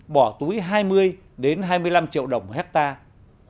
bỏ túi hai mươi hai mươi năm triệu đồng hectare